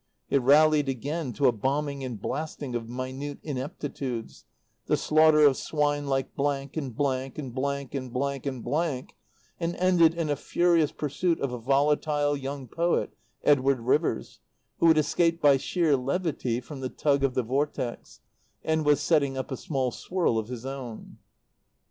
It rallied again to a bombing and blasting of minute ineptitudes, the slaughter of "swine like and and and and "; and ended in a furious pursuit of a volatile young poet, Edward Rivers, who had escaped by sheer levity from the tug of the Vortex, and was setting up a small swirl of his own.